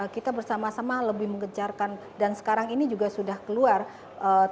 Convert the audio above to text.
kita bersama sama lebih mengejarkan dan sekarang ini juga sudah keluar tentang pp empat puluh empat tahun dua ribu tujuh belas